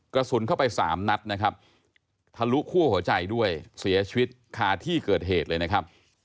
กระสุนเข้าไปสามนัดนะครับทะลุคั่วหัวใจด้วยเสียชีวิตคาที่เกิดเหตุเลยนะครับ